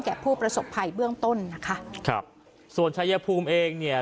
ผู้ประสบภัยเบื้องต้นนะคะครับส่วนชายภูมิเองเนี่ย